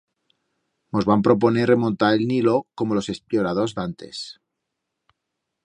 Mos vam proponer remontar el Nilo, como los explloradors d'antes.